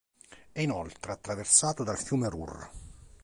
È inoltre attraversato dal fiume Rur.